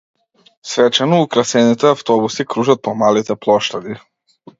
Свечено украсените автобуси кружат по малите плоштади.